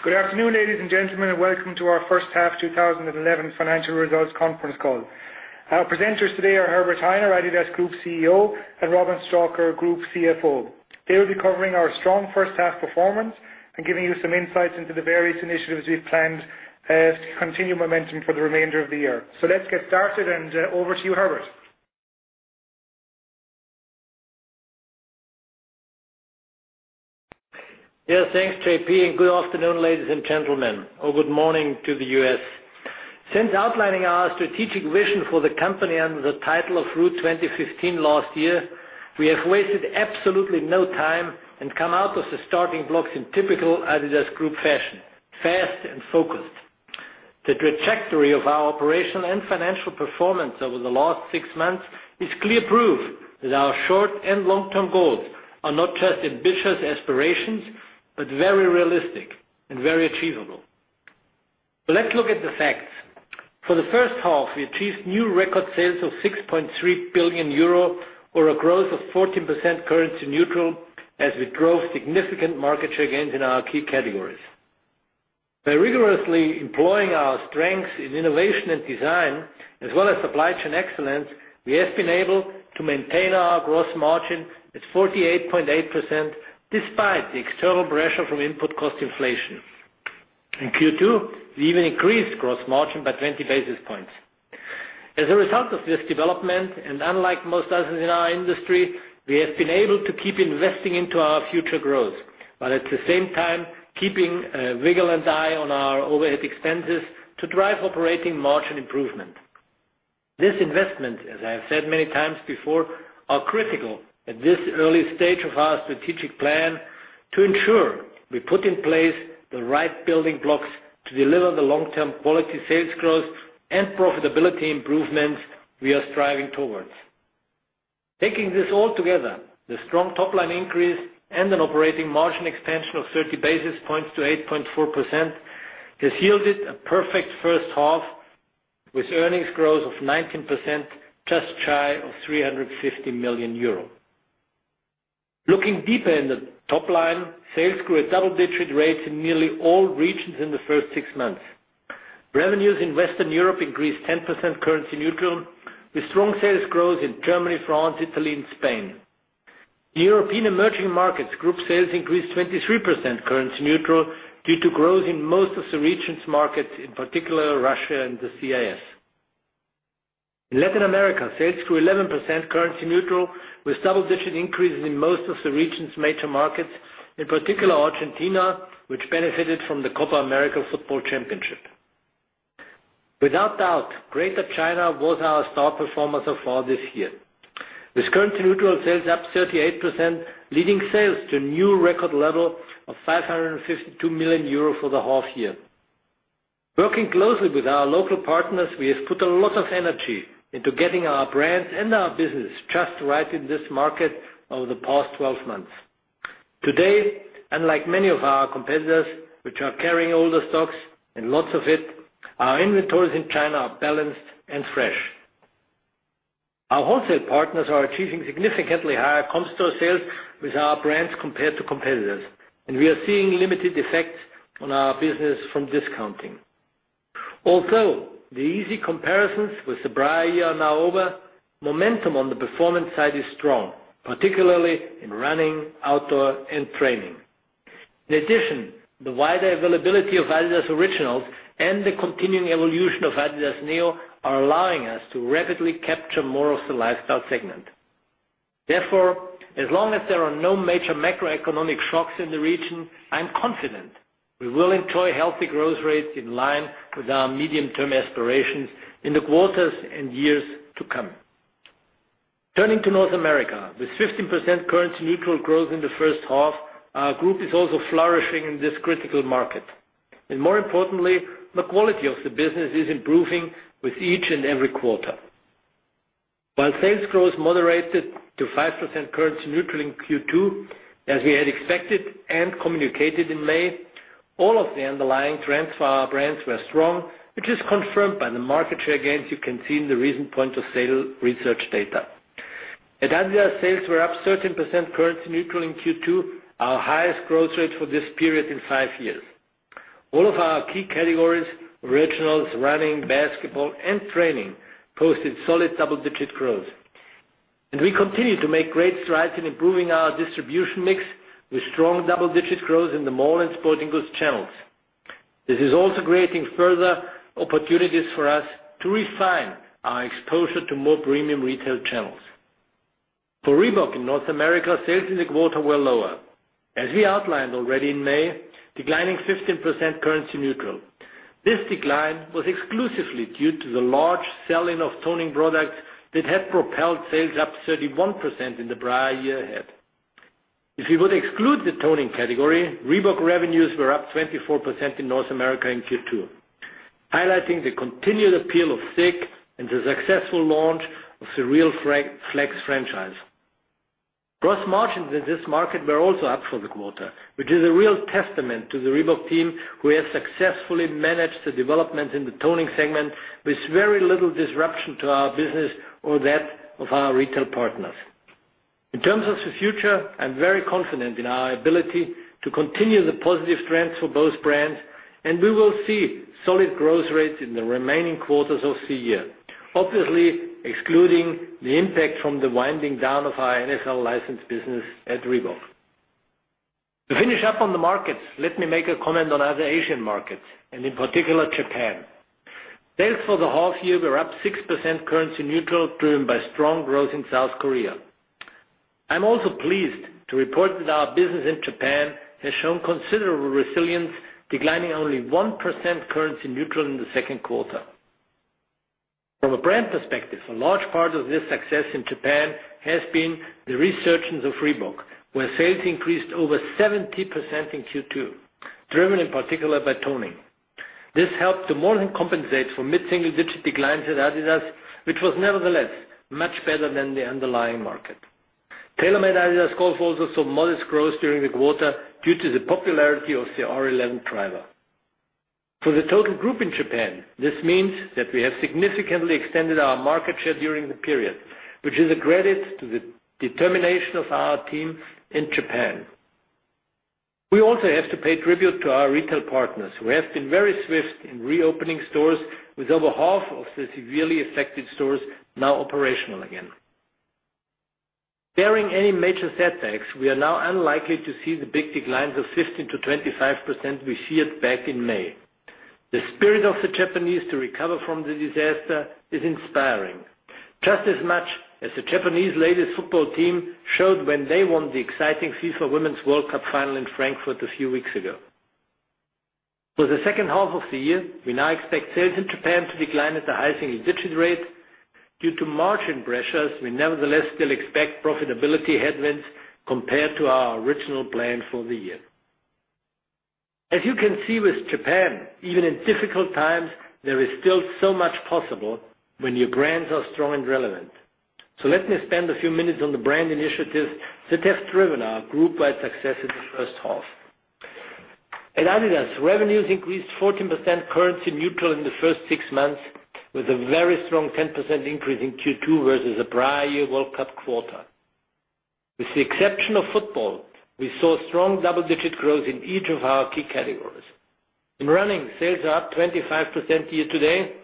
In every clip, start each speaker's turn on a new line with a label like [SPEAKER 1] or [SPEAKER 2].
[SPEAKER 1] Good afternoon, ladies and gentlemen, and welcome to our First Half 2011 Financial Results Conference Call. Our presenters today are Herbert Hainer, adidas Group CEO, and Robin Stalker, Group CFO. They will be covering our strong first half performance and giving you some insights into the various initiatives we've planned to continue momentum for the remainder of the year. Let's get started and over to you, Herbert.
[SPEAKER 2] Yes, thanks, JP, and good afternoon, ladies and gentlemen, or good morning to the U.S. Since outlining our strategic vision for the company under the title of Route 2015 last year, we have wasted absolutely no time and come out of the starting blocks in typical adidas Group fashion: fast and focused. The trajectory of our operational and financial performance over the last six months is clear proof that our short and long-term goals are not just ambitious aspirations, but very realistic and very achievable. Let's look at the facts. For the first half, we achieved new record sales of 6.3 billion euro, or a growth of 14% currency neutral, as we drove significant market share gains in our key categories. By rigorously employing our strengths in innovation and design, as well as supply chain excellence, we have been able to maintain our gross margin at 48.8% despite the external pressure from input cost inflation. In Q2, we even increased gross margin by 20 basis points. As a result of this development, and unlike most others in our industry, we have been able to keep investing into our future growth, while at the same time keeping a vigilant eye on our overhead expenses to drive operating margin improvement. This investment, as I have said many times before, is critical at this early stage of our strategic plan to ensure we put in place the right building blocks to deliver the long-term quality sales growth and profitability improvements we are striving towards. Taking this all together, the strong top-line increase and an operating margin expansion of 30 basis points to 8.4% has yielded a perfect first half, with earnings growth of 19%, just shy of 350 million euros. Looking deeper in the top line, sales grew at double-digit rates in nearly all regions in the first six months. Revenues in Western Europe increased 10% currency neutral, with strong sales growth in Germany, France, Italy, and Spain. In European emerging markets, group sales increased 23% currency neutral due to growth in most of the region's markets, in particular Russia and the CIS. In Latin America, sales grew 11% currency neutral, with double-digit increases in most of the region's major markets, in particular Argentina, which benefited from the Copa America football championship. Without doubt, Greater China was our star performer so far this year. With currency neutral sales up 38%, leading sales to a new record level of 552 million euros for the half year. Working closely with our local partners, we have put a lot of energy into getting our brands and our business just right in this market over the past 12 months. Today, unlike many of our competitors, which are carrying older stocks and lots of it, our inventories in China are balanced and fresh. Our wholesale partners are achieving significantly higher comps to sales with our brands compared to competitors, and we are seeing limited effects on our business from discounting. Although the easy comparisons with the prior year are now over, momentum on the performance side is strong, particularly in running, outdoor, and training. In addition, the wider availability of adidas Originals and the continuing evolution of adidas NEO are allowing us to rapidly capture more of the lifestyle segment. Therefore, as long as there are no major macroeconomic shocks in the region, I'm confident we will enjoy healthy growth rates in line with our medium-term aspirations in the quarters and years to come. Turning to North America, with 15% currency neutral growth in the first half, our group is also flourishing in this critical market. More importantly, the quality of the business is improving with each and every quarter. While sales growth moderated to 5% currency neutral in Q2, as we had expected and communicated in May, all of the underlying trends for our brands were strong, which is confirmed by the market share gains you can see in the recent point of sale research data. adidas sales were up 13% currency neutral in Q2, our highest growth rate for this period in five years. All of our key categories, Originals, Running, Basketball, and Training, posted solid double-digit growth. We continue to make great strides in improving our distribution mix, with strong double-digit growth in the mall and sporting goods channels. This is also creating further opportunities for us to refine our exposure to more premium retail channels. For Reebok in North America, sales in the quarter were lower. As we outlined already in May, declining 15% currency neutral. This decline was exclusively due to the large sell-in of toning products that had propelled sales up 31% in the prior year ahead. If we would exclude the toning category, Reebok revenues were up 24% in North America in Q2, highlighting the continued appeal of SICK and the successful launch of the RealFlex franchise. Gross margins in this market were also up for the quarter, which is a real testament to the Reebok team who has successfully managed the developments in the toning segment with very little disruption to our business or that of our retail partners. In terms of the future, I'm very confident in our ability to continue the positive trends for both brands, and we will see solid growth rates in the remaining quarters of the year, obviously excluding the impact from the winding down of our NFL license business at Reebok. To finish up on the markets, let me make a comment on other Asian markets, and in particular Japan. Sales for the half year were up 6% currency neutral, driven by strong growth in South Korea. I'm also pleased to report that our business in Japan has shown considerable resilience, declining only 1% currency neutral in the second quarter. From a brand perspective, a large part of this success in Japan has been the resurgence of Reebok, where sales increased over 70% in Q2, driven in particular by toning. This helped to more than compensate for mid-single-digit declines at adidas, which was nevertheless much better than the underlying market. TaylorMade-adidas Golf also saw modest growth during the quarter due to the popularity of the R11 driver. For the total group in Japan, this means that we have significantly extended our market share during the period, which is a credit to the determination of our team in Japan. We also have to pay tribute to our retail partners, who have been very swift in reopening stores, with over half of the severely affected stores now operational again. Barring any major setbacks, we are now unlikely to see the big declines of 15%-25% we saw back in May. The spirit of the Japanese to recover from the disaster is inspiring, just as much as the Japanese ladies' football team showed when they won the exciting FIFA Women's World Cup final in Frankfurt a few weeks ago. For the second half of the year, we now expect sales in Japan to decline at a high single-digit rate. Due to margin pressures, we nevertheless still expect profitability headwinds compared to our original plan for the year. As you can see with Japan, even in difficult times, there is still so much possible when your brands are strong and relevant. Let me spend a few minutes on the brand initiatives that have driven our group-wide success in the first half. At adidas, revenues increased 14% currency neutral in the first six months, with a very strong 10% increase in Q2 versus the prior year World Cup quarter. With the exception of football, we saw strong double-digit growth in each of our key categories. In running, sales are up 25% year to date,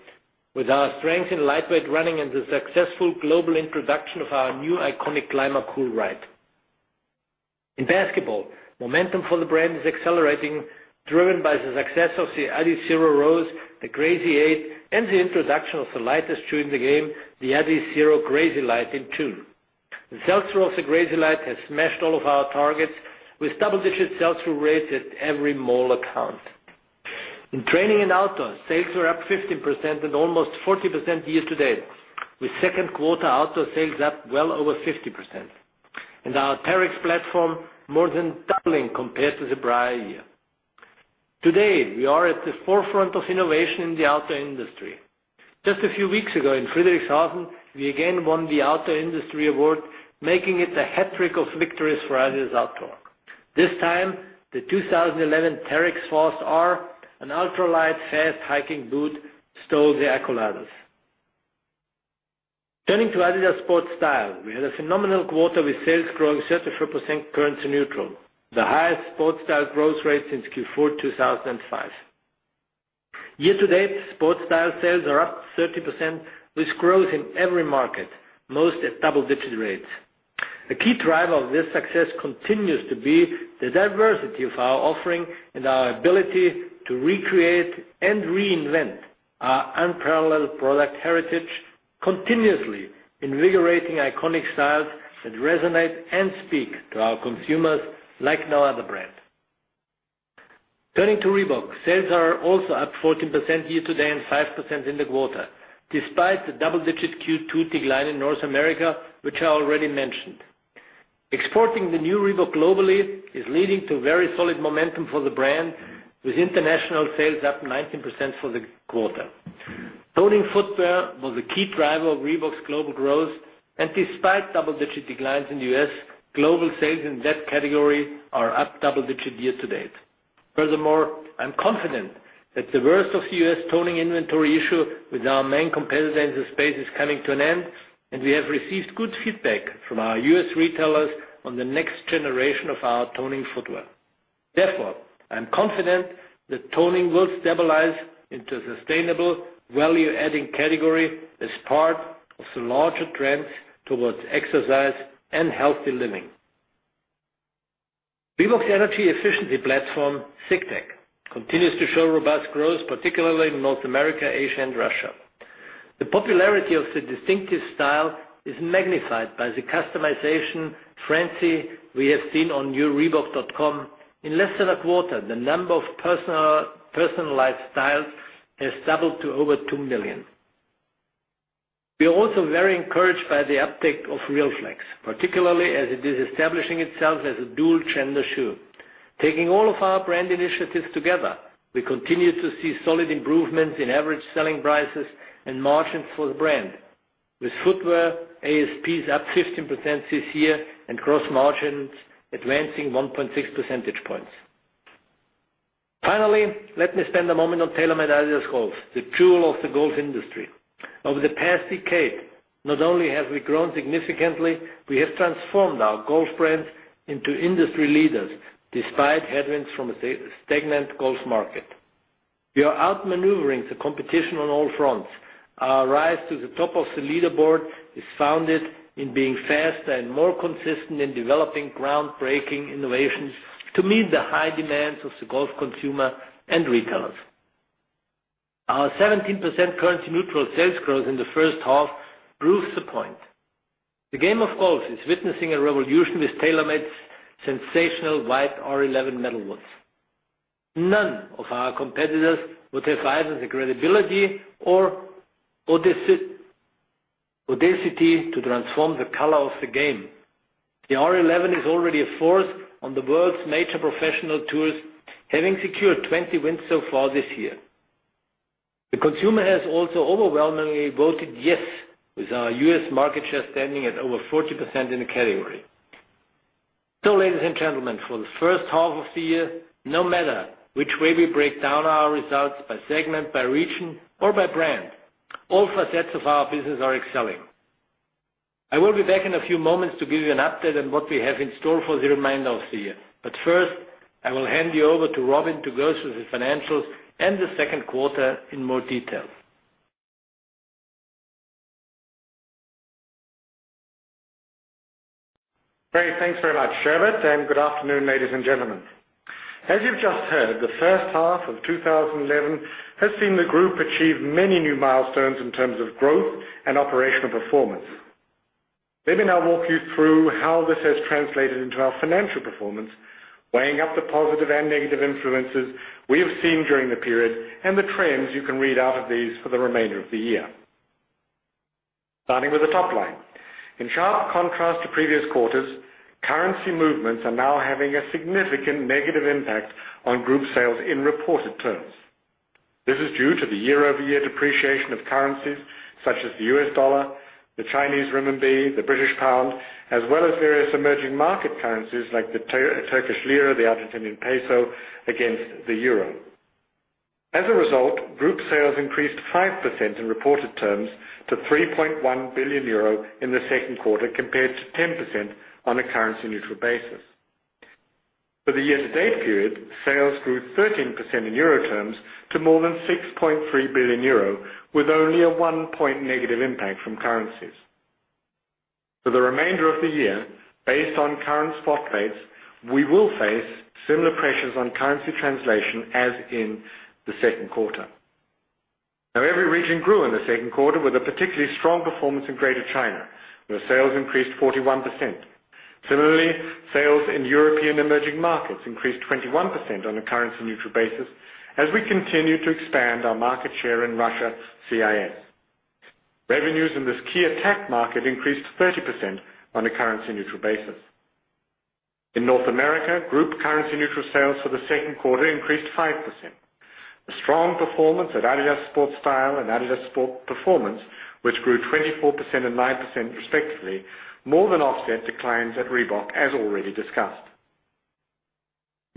[SPEAKER 2] with our strengths in lightweight running and the successful global introduction of our new iconic climber pull right. In basketball, momentum for the brand is accelerating, driven by the success of the Adizero Rose, the Crazy 8, and the introduction of the lightest shoe in the game, the Adizero Crazy Light in tune. The sales through of the Crazy Light has smashed all of our targets, with double-digit sales through rates at every mall account. In training and outdoors, sales were up 15% and almost 40% year to date, with second quarter outdoor sales up well over 50%. Our TERREX platform more than doubling compared to the prior year. Today, we are at the forefront of innovation in the outdoor industry. Just a few weeks ago, in Friedrichshafen, we again won the Outdoor Industry Award, making it a hat-trick of victories for adidas outdoor. This time, the 2011 TERREX Force R, an ultralight, fast hiking boot, stole the accolades. Turning to adidas sports style, we had a phenomenal quarter with sales growing 34% currency neutral, the highest sports style growth rate since Q4 2005. Year to date, sports style sales are up 30%, with growth in every market, most at double-digit rates. A key driver of this success continues to be the diversity of our offering and our ability to recreate and reinvent our unparalleled product heritage, continuously invigorating iconic styles that resonate and speak to our consumers like no other brand. Turning to Reebok, sales are also up 14% year to date and 5% in the quarter, despite the double-digit Q2 decline in North America, which I already mentioned. Exporting the new Reebok globally is leading to very solid momentum for the brand, with international sales up 19% for the quarter. Toning footwear was a key driver of Reebok's global growth, and despite double-digit declines in the U.S., global sales in that category are up double-digit year to date. Furthermore, I'm confident that the worst of the U.S. toning inventory issue with our main competitor in the space is coming to an end, and we have received good feedback from our U.S. retailers on the next generation of our toning footwear. Therefore, I'm confident that toning will stabilize into a sustainable, value-adding category as part of the larger trends towards exercise and healthy living. Reebok's energy efficiency platform, SICKTECH, continues to show robust growth, particularly in North America, Asia, and Russia/CIS. The popularity of the distinctive style is magnified by the customization frenzy we have seen on newreebok.com. In less than a quarter, the number of personalized styles has doubled to over 2 million. We are also very encouraged by the uptake of RealFlex, particularly as it is establishing itself as a dual-gender shoe. Taking all of our brand initiatives together, we continue to see solid improvements in average selling prices and margins for the brand, with footwear ASPs up 15% this year and gross margins advancing 1.6 percentage points. Finally, let me spend a moment on TaylorMade-adidas Golf, the jewel of the golf industry. Over the past decade, not only have we grown significantly, we have transformed our golf brands into industry leaders, despite headwinds from a stagnant golf market. We are outmaneuvering the competition on all fronts. Our rise to the top of the leaderboard is founded in being faster and more consistent in developing groundbreaking innovations to meet the high demands of the golf consumer and retailers. Our 17% currency neutral sales growth in the first half proves the point. The game of golf is witnessing a revolution with TaylorMade's sensational white R11 metalwoods. None of our competitors would have either the credibility or audacity to transform the color of the game. The R11 is already a force on the world's major professional tours, having secured 20 wins so far this year. The consumer has also overwhelmingly voted yes, with our U.S. market share standing at over 40% in the category. Ladies and gentlemen, for the first half of the year, no matter which way we break down our results by segment, by region, or by brand, all facets of our business are excelling. I will be back in a few moments to give you an update on what we have in store for the remainder of the year. First, I will hand you over to Robin to go through the financials and the second quarter in more detail.
[SPEAKER 3] Great, thanks very much, Herbert, and good afternoon, ladies and gentlemen. As you've just heard, the first half of 2011 has seen the group achieve many new milestones in terms of growth and operational performance. Let me now walk you through how this has translated into our financial performance, weighing up the positive and negative influences we have seen during the period and the trends you can read out of these for the remainder of the year. Starting with the top line, in sharp contrast to previous quarters, currency movements are now having a significant negative impact on group sales in reported terms. This is due to the year-over-year depreciation of currencies such as the U.S. dollar, the Chinese renminbi, the British pound, as well as various emerging market currencies like the Turkish lira and the Argentinian peso, against the euro. As a result, group sales increased 5% in reported terms to 3.1 billion euro in the second quarter compared to 10% on a currency neutral basis. For the year-to-date period, sales grew 13% in euro terms to more than 6.3 billion euro, with only a one-point negative impact from currencies. For the remainder of the year, based on current spot rates, we will face similar pressures on currency translation as in the second quarter. Now, every region grew in the second quarter with a particularly strong performance in Greater China, where sales increased 41%. Similarly, sales in European emerging markets increased 21% on a currency neutral basis as we continue to expand our market share in Russia/CIS. Revenues in this key attack market increased 30% on a currency neutral basis. In North America, group currency neutral sales for the second quarter increased 5%. The strong performance at adidas sports style and adidas sport performance, which grew 24% and 9% respectively, more than offset declines at Reebok, as already discussed.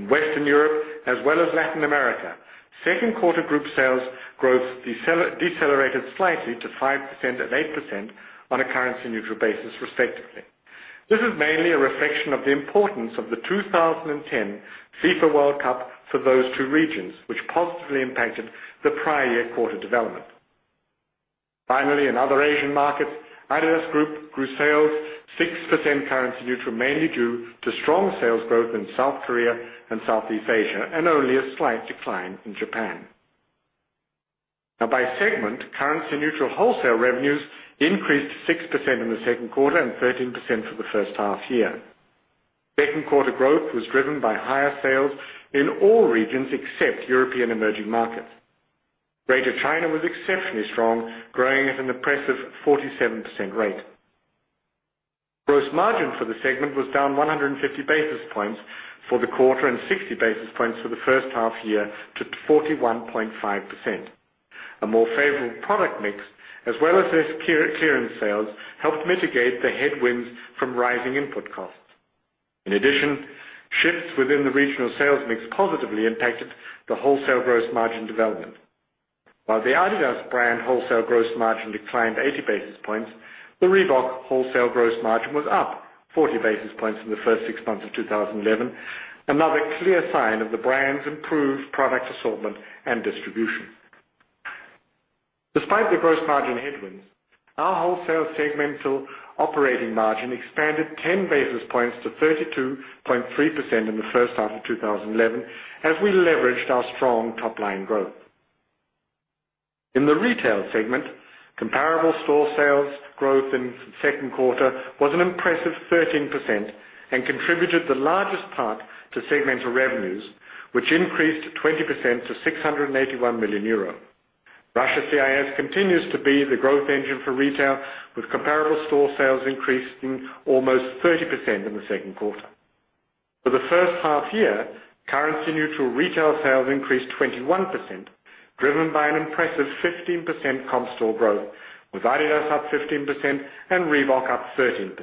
[SPEAKER 3] In Western Europe, as well as Latin America, second quarter group sales growth decelerated slightly to 5% and 8% on a currency neutral basis respectively. This is mainly a reflection of the importance of the 2010 FIFA World Cup for those two regions, which positively impacted the prior year quarter development. Finally, in other Asian markets, adidas Group grew sales 6% currency neutral, mainly due to strong sales growth in South Korea and Southeast Asia, and only a slight decline in Japan. Now, by segment, currency neutral wholesale revenues increased 6% in the second quarter and 13% for the first half year. Second quarter growth was driven by higher sales in all regions except European emerging markets. Greater China was exceptionally strong, growing at an impressive 47% rate. Gross margin for the segment was down 150 basis points for the quarter and 60 basis points for the first half year to 41.5%. A more favorable product mix, as well as less clearance sales, helped mitigate the headwinds from rising input costs. In addition, shifts within the regional sales mix positively impacted the wholesale gross margin development. While the adidas brand wholesale gross margin declined 80 basis points, the Reebok wholesale gross margin was up 40 basis points in the first six months of 2011, another clear sign of the brand's improved product assortment and distribution. Despite the gross margin headwinds, our wholesale segmental operating margin expanded 10 basis points to 32.3% in the first half of 2011, as we leveraged our strong top-line growth. In the retail segment, comparable store sales growth in the second quarter was an impressive 13% and contributed the largest part to segmental revenues, which increased 20% to 681 million euro. Russia/CIS continues to be the growth engine for retail, with comparable store sales increasing almost 30% in the second quarter. For the first half year, currency neutral retail sales increased 21%, driven by an impressive 15% comp store growth, with adidas up 15% and Reebok up 13%.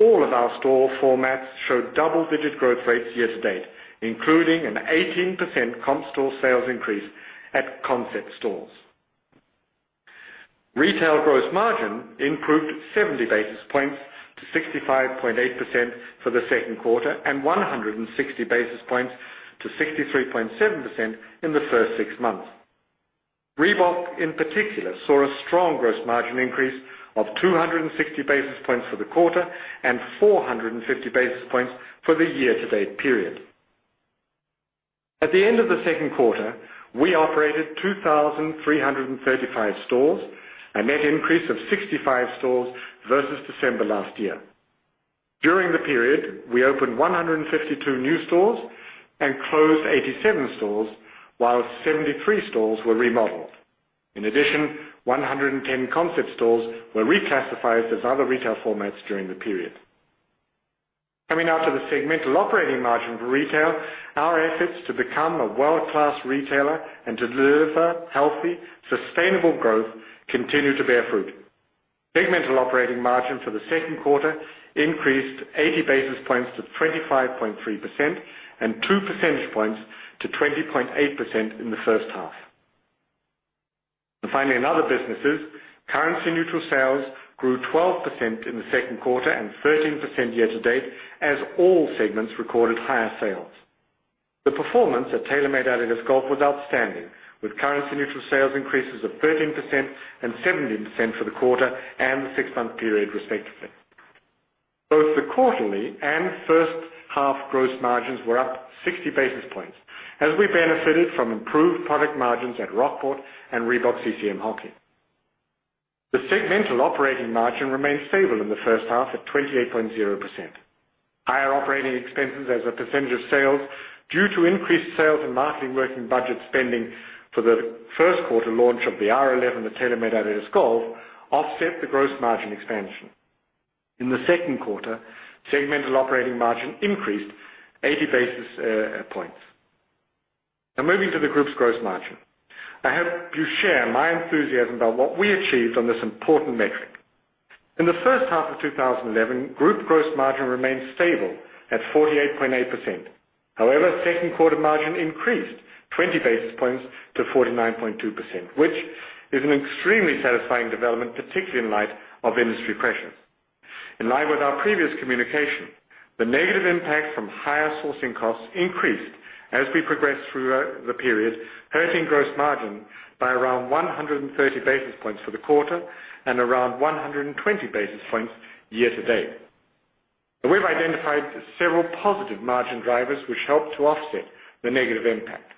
[SPEAKER 3] All of our store formats showed double-digit growth rates year to date, including an 18% comp store sales increase at concept stores. Retail gross margin improved 70 basis points to 65.8% for the second quarter and 160 basis points to 63.7% in the first six months. Reebok, in particular, saw a strong gross margin increase of 260 basis points for the quarter and 450 basis points for the year-to-date period. At the end of the second quarter, we operated 2,335 stores, a net increase of 65 stores versus December last year. During the period, we opened 152 new stores and closed 87 stores, while 73 stores were remodeled. In addition, 110 concept stores were reclassified as other retail formats during the period. Coming out of the segmental operating margin for retail, our efforts to become a world-class retailer and to deliver healthy, sustainable growth continue to bear fruit. Segmental operating margin for the second quarter increased 80 basis points to 25.3% and 2 percentage points to 20.8% in the first half. Finally, in other businesses, currency neutral sales grew 12% in the second quarter and 13% year to date, as all segments recorded higher sales. The performance at TaylorMade-adidas Golf was outstanding, with currency neutral sales increases of 13% and 17% for the quarter and the six-month period respectively. Both the quarterly and first half gross margins were up 60 basis points, as we benefited from improved product margins at Rockport and Reebok CCM Hockey. The segmental operating margin remained stable in the first half at 28.0%. Higher operating expenses as a percentage of sales due to increased sales and marketing working budget spending for the First Quarter launch of the R11, the TaylorMade-adidas Golf, offset the gross margin expansion. In the second quarter, segmental operating margin increased 80 basis points. Now, moving to the group's gross margin, I hope you share my enthusiasm about what we achieved on this important metric. In the first half of 2011, group gross margin remained stable at 48.8%. However, second quarter margin increased 20 basis points to 49.2%, which is an extremely satisfying development, particularly in light of industry pressures. In line with our previous communication, the negative impact from higher sourcing costs increased as we progressed through the period, hurting gross margin by around 130 basis points for the quarter and around 120 basis points year to date. We have identified several positive margin drivers which helped to offset the negative impact.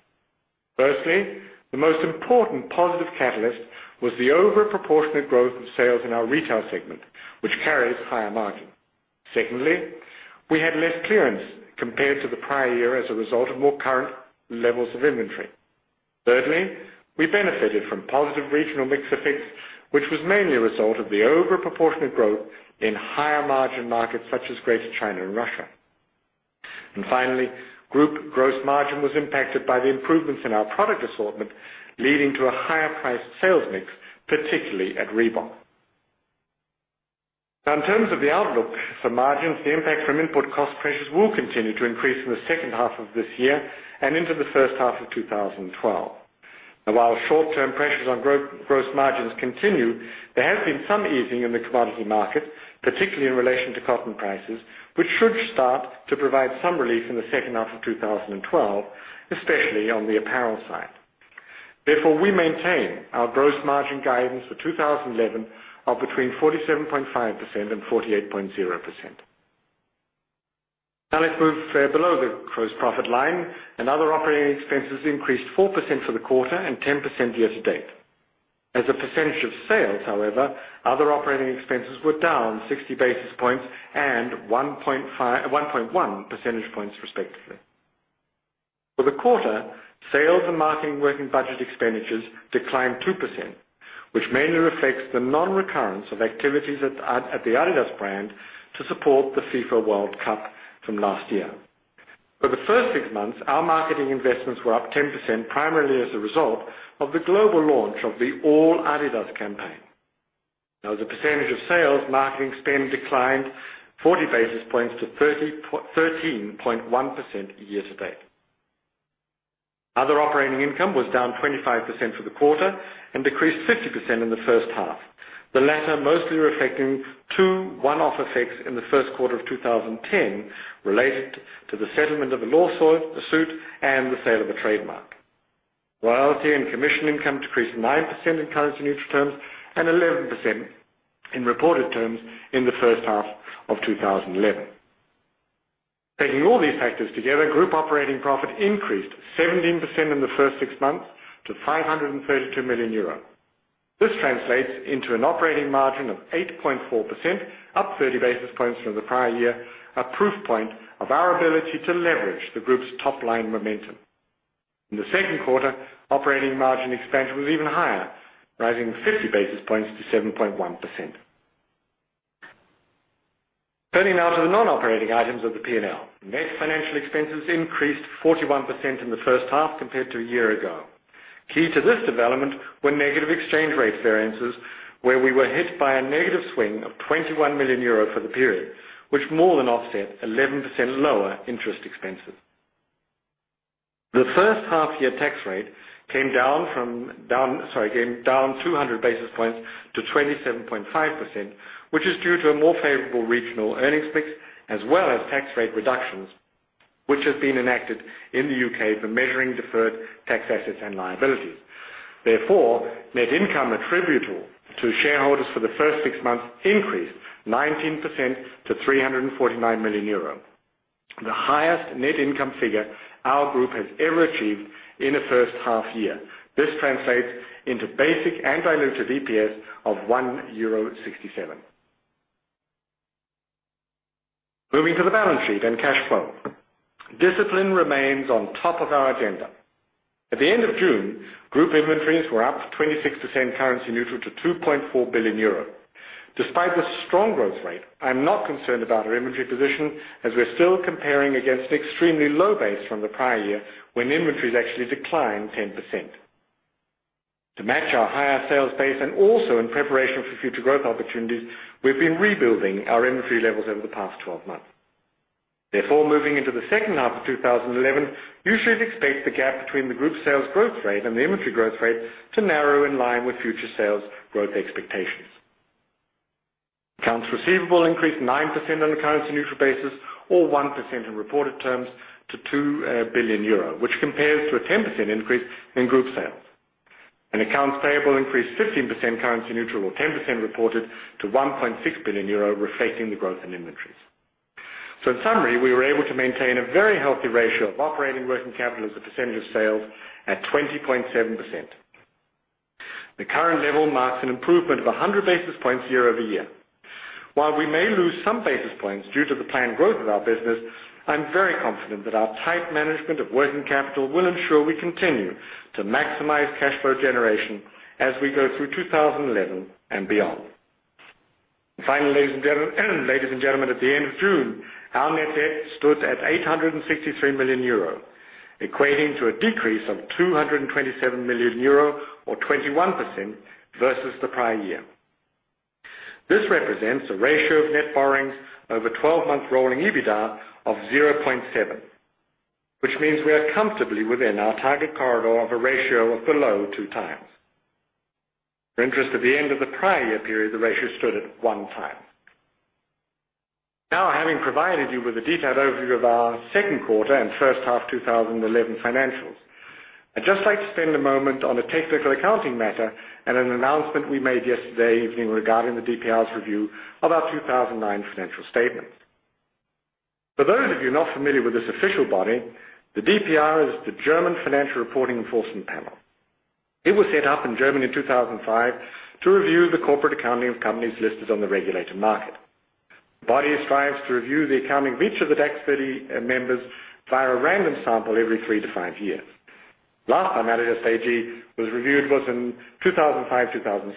[SPEAKER 3] Firstly, the most important positive catalyst was the overproportionate growth in sales in our retail segment, which carries higher margins. Secondly, we had less clearance compared to the prior year as a result of more current levels of inventory. Thirdly, we benefited from positive regional mix effects, which was mainly a result of the overproportionate growth in higher margin markets such as Greater China and Russia. Finally, group gross margin was impacted by the improvements in our product assortment, leading to a higher price sales mix, particularly at Reebok. In terms of the outlook for margins, the impact from input cost pressures will continue to increase in the second half of this year and into the first half of 2012. Now, while short-term pressures on gross margins continue, there has been some easing in the commodity markets, particularly in relation to cotton prices, which should start to provide some relief in the second half of 2012, especially on the apparel side. Therefore, we maintain our gross margin guidance for 2011 of between 47.5% and 48.0%. Now, let's move below the gross profit line, and other operating expenses increased 4% for the quarter and 10% year to date. As a percentage of sales, however, other operating expenses were down 60 basis points and 1.1 percentage points respectively. For the quarter, sales and marketing working budget expenditures declined 2%, which mainly reflects the non-recurrence of activities at the adidas brand to support the FIFA World Cup from last year. For the first six months, our marketing investments were up 10%, primarily as a result of the global launch of the All Adidas campaign. Now, as a percentage of sales, marketing spend declined 40 basis points to 13.1% year to date. Other operating income was down 25% for the quarter and decreased 50% in the first half, the latter mostly reflecting two one-off effects in the First Quarter of 2010 related to the settlement of the lawsuit and the sale of the trademark. Loyalty and commission income decreased 9% in currency neutral terms and 11% in reported terms in the first half of 2011. Taking all these factors together, group operating profit increased 17% in the first six months to 532 million euro. This translates into an operating margin of 8.4%, up 30 basis points from the prior year, a proof point of our ability to leverage the group's top-line momentum. In the second quarter, operating margin expansion was even higher, rising 50 basis points to 7.1%. Turning now to the non-operating items of the P&L, net financial expenses increased 41% in the first half compared to a year ago. Key to this development were negative exchange rates variances, where we were hit by a negative swing of 21 million euro for the period, which more than offset 11% lower interest expenses. The first half-year tax rate came down 200 basis points to 27.5%, which is due to a more favorable regional earnings mix, as well as tax rate reductions, which have been enacted in the U.K. for measuring deferred tax assets and liabilities. Therefore, net income attributable to shareholders for the first six months increased 19% to 349 million euro, the highest net income figure our group has ever achieved in the first half year. This translates into basic and diluted EPS of EUR 1.67. Moving to the balance sheet and cash flow, discipline remains on top of our agenda. At the end of June, group inventories were up 26% currency neutral to 2.4 billion euro. Despite the strong growth rate, I'm not concerned about our inventory position, as we're still comparing against an extremely low base from the prior year, when inventories actually declined 10%. To match our higher sales base and also in preparation for future growth opportunities, we've been rebuilding our inventory levels over the past 12 months. Therefore, moving into the second half of 2011, you should expect the gap between the group sales growth rate and the inventory growth rate to narrow in line with future sales growth expectations. Accounts receivable increased 9% on a currency neutral basis or 1% in reported terms to 2 billion euro, which compares to a 10% increase in group sales. Accounts payable increased 15% currency neutral or 10% reported to 1.6 billion euro, reflecting the growth in inventories. In summary, we were able to maintain a very healthy ratio of operating working capital as a percentage of sales at 20.7%. The current level marks an improvement of 100 basis points year-over-year. While we may lose some basis points due to the planned growth of our business, I'm very confident that our tight management of working capital will ensure we continue to maximize cash flow generation as we go through 2011 and beyond. Finally, ladies and gentlemen, at the end of June, our net debt stood at 863 million euro, equating to a decrease of 227 million euro or 21% versus the prior year. This represents a ratio of net borrowings over 12 months rolling EBITDA of 0.7, which means we are comfortably within our target corridor of a ratio of below 2x. For interest, at the end of the prior year period, the ratio stood at one time. Now, having provided you with a detailed overview of our second quarter and first half 2011 financials, I'd just like to spend a moment on a technical accounting matter and an announcement we made yesterday evening regarding the DPR's review of our 2009 financial statements. For those of you not familiar with this official body, the DPR is the German Financial Reporting Enforcement Panel. It was set up in Germany in 2005 to review the corporate accounting of companies listed on the regulated market. The body strives to review the accounting of each of the tax-free members via a random sample every three to five years. The last time adidas AG was reviewed was in 2005-2006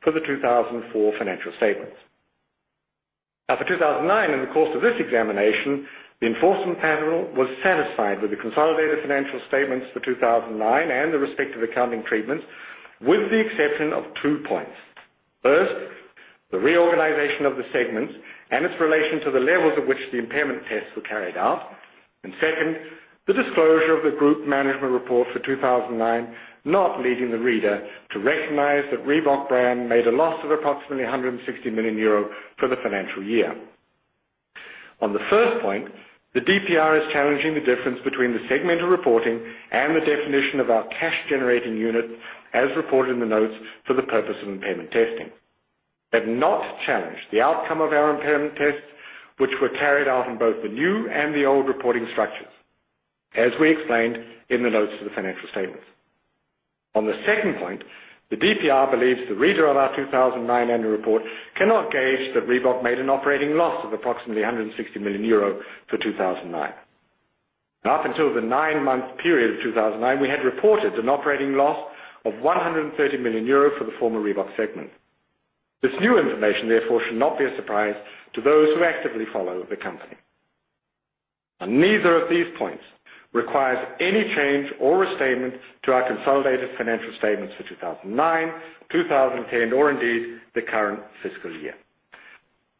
[SPEAKER 3] for the 2004 financial statements. After 2009, in the course of this examination, the Enforcement Panel was satisfied with the consolidated financial statements for 2009 and the respective accounting treatments, with the exception of two points. First, the reorganization of the segments and its relation to the levels at which the impairment tests were carried out. Second, the disclosure of the group management report for 2009 not leading the reader to recognize that Reebok brand made a loss of approximately 160 million euro for the financial year. On the first point, the DPR is challenging the difference between the segmental reporting and the definition of our cash-generating units, as reported in the notes for the purpose of impairment testing. They have not challenged the outcome of our impairment tests, which were carried out in both the new and the old reporting structures, as we explained in the notes to the financial statements. On the second point, the DPR believes the reader of our 2009 annual report cannot gauge that Reebok made an operating loss of approximately 160 million euro for 2009. Up until the nine-month period of 2009, we had reported an operating loss of 130 million euro for the former Reebok segment. This new information, therefore, should not be a surprise to those who actively follow the company. Neither of these points requires any change or restatement to our consolidated financial statements for 2009, 2010, or indeed the current fiscal year.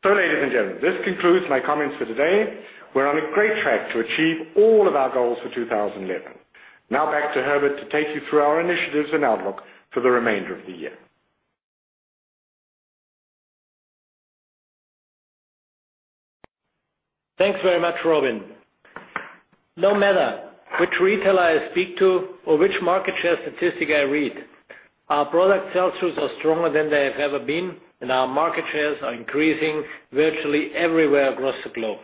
[SPEAKER 3] Ladies and gentlemen, this concludes my comments for today, where I'm on a great track to achieve all of our goals for 2011. Now back to Herbert to take you through our initiatives and outlook for the remainder of the year.
[SPEAKER 2] Thanks very much, Robin. No matter which retailer I speak to or which market share statistic I read, our product sell-throughs are stronger than they have ever been, and our market shares are increasing virtually everywhere across the globe.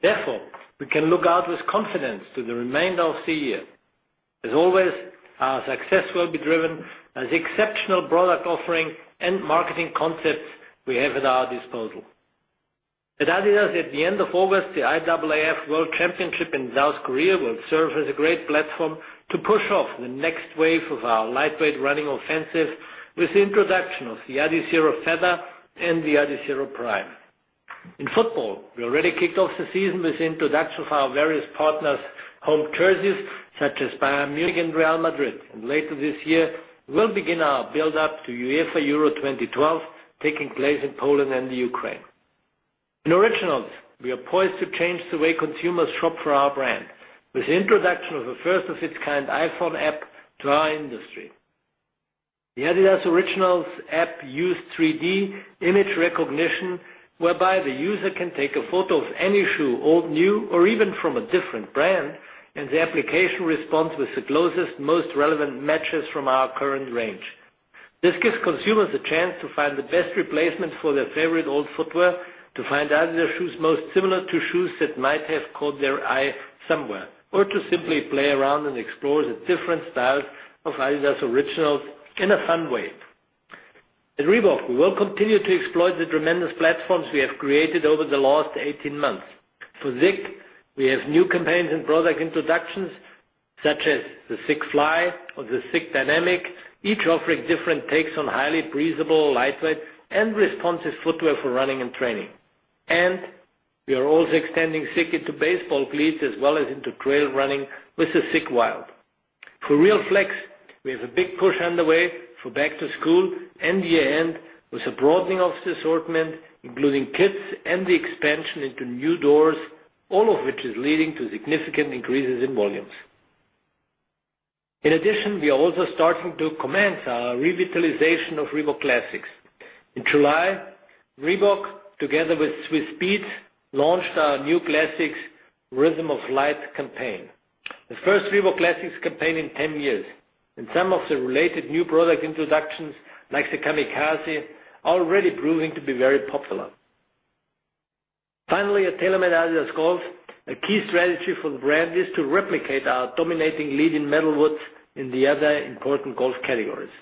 [SPEAKER 2] Therefore, we can look out with confidence to the remainder of the year. As always, our success will be driven by the exceptional product offering and marketing concepts we have at our disposal. At adidas, at the end of August, the IAAF World Championship in South Korea will serve as a great platform to push off the next wave of our lightweight running offensive with the introduction of the Adizero Feather and the Adizero Prime. In football, we already kicked off the season with the introduction of our various partners' home jerseys, such as Bayern Munich and Real Madrid. Later this year, we'll begin our build-up to UEFA Euro 2012, taking place in Poland and the Ukraine. In Originals, we are poised to change the way consumers shop for our brand with the introduction of a first-of-its-kind iPhone app to our industry. The adidas Originals app uses 3D image recognition, whereby the user can take a photo of any shoe, old, new, or even from a different brand, and the application responds with the closest, most relevant matches from our current range. This gives consumers a chance to find the best replacements for their favorite old footwear, to find adidas shoes most similar to shoes that might have caught their eye somewhere, or to simply play around and explore the different styles of adidas Originals in a fun way. At Reebok, we will continue to exploit the tremendous platforms we have created over the last 18 months. For SICK, we have new campaigns and product introductions, such as the SICK Fly or the SICK Dynamic, each offering different takes on highly breathable, lightweight, and responsive footwear for running and training. We are also extending SICK into baseball cleats, as well as into trail running with the SICK Wild. For RealFlex, we have a big push underway for back-to-school and year-end, with a broadening of the assortment, including kits and the expansion into new doors, all of which is leading to significant increases in volumes. In addition, we are also starting to commence our revitalization of Reebok classics. In July, Reebok, together with Swiss Peetz, launched our new Classics, Rhythm of Light campaign, the first Reebok Classics campaign in 10 years, and some of the related new product introductions, like the Kamikaze, are already proving to be very popular. Finally, at TaylorMade-adidas Golf, a key strategy for the brand is to replicate our dominating lead in metalwoods in the other important golf categories.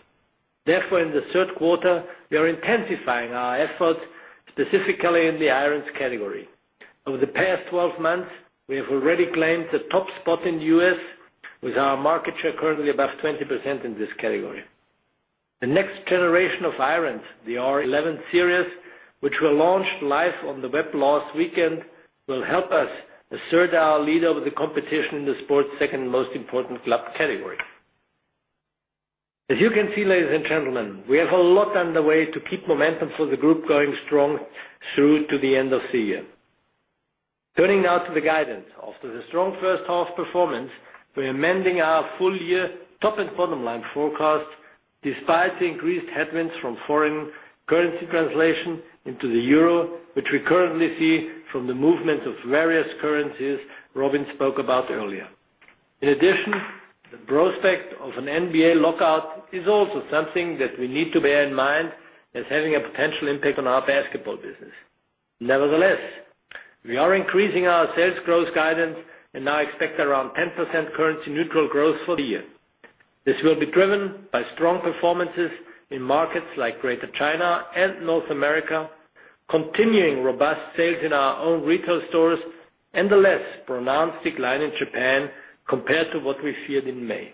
[SPEAKER 2] Therefore, in the third quarter, we are intensifying our efforts, specifically in the irons category. Over the past 12 months, we have already claimed the top spot in the U.S., with our market share currently above 20% in this category. The next generation of irons, the R11 series, which were launched live on the web last weekend, will help us assert our lead over the competition in the sport's second most important club category. As you can see, ladies and gentlemen, we have a lot underway to keep momentum for the group going strong through to the end of the year. Turning now to the guidance, after the strong first half performance, we're amending our full-year top and bottom line forecast, despite the increased headwinds from foreign currency translation into the euro, which we currently see from the movements of various currencies Robin spoke about earlier. In addition, the prospect of an NBA lockout is also something that we need to bear in mind, as having a potential impact on our basketball business. Nevertheless, we are increasing our sales growth guidance and now expect around 10% currency neutral growth for the year. This will be driven by strong performances in markets like Greater China and North America, continuing robust sales in our own retail stores, and a less pronounced decline in Japan compared to what we feared in May.